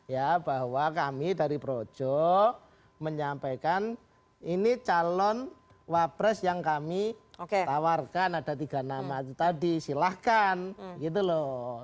ya bahwa kami dari projo menyampaikan ini calon wapres yang kami tawarkan ada tiga nama itu tadi silahkan gitu loh